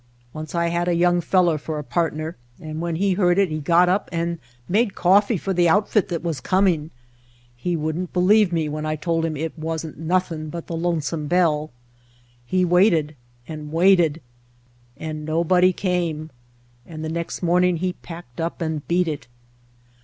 Once I had a young feller for a part ner, and when he heard it he got up and made coffee for the outfit that was coming. He wouldn't believe me when I told him it wasn't nothing but the Lonesome Bell. He waited and waited and nobody came. And the next morn ing he packed up and beat it."